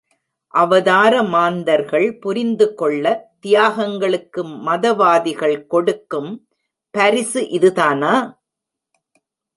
அவதார மாந்தர்கள் புரிந்துள்ள தியாகங்களுக்கு மதவாதிகள் கொடுக்கும் பரிசு இதுதானா?